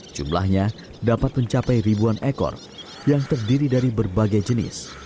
jumlahnya dapat mencapai ribuan ekor yang terdiri dari berbagai jenis